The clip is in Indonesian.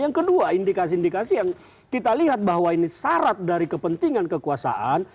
yang kedua indikasi indikasi yang kita lihat bahwa ini syarat dari kepentingan kekuasaan